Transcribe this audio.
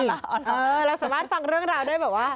เราสามารถฟังเรื่องราวด้วยแบบว่า